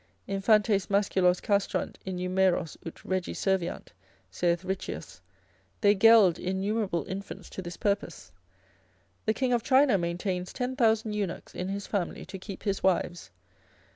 Infantes masculos castrant innumeros ut regi serviant, saith Riccius, they geld innumerable infants to this purpose; the King of China maintains 10,000 eunuchs in his family to keep his wives.